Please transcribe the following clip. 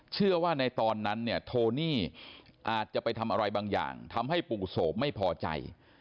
เชื่อว่าในตอนนั้นเนี่ยโทนี่อาจจะไปทำอะไรบางอย่างทำให้ปู่โสมไม่พอใจ